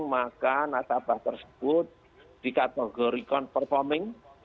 maka nasabah tersebut di kategori non performing